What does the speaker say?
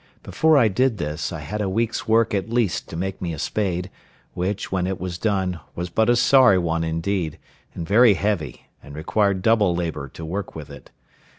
Before I did this, I had a week's work at least to make me a spade, which, when it was done, was but a sorry one indeed, and very heavy, and required double labour to work with it.